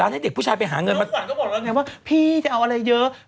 ถ้าขวัดจะบอกให้เงียบว่าพี่จะเอาอะไรเยอะค่ะ